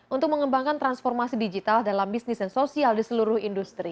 untuk mengembangkan transformasi digital dalam bisnis dan sosial di seluruh industri